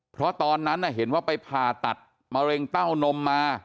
เพราะตอนนั้นเห็นว่าไปผ่าตัดมะเร็งเต้านมมา